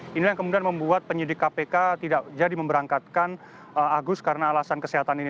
ini yang kemudian membuat penyidik kpk tidak jadi memberangkatkan agus karena alasan kesehatan ini